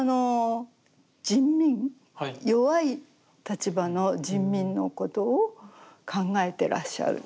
弱い立場の人民のことを考えてらっしゃる。